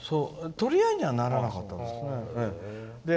取り合いにはならなかったみたいですよ。